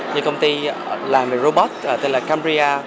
như công ty làm về robot tên là cambria